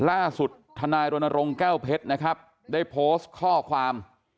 ทนายรณรงค์แก้วเพชรนะครับได้โพสต์ข้อความ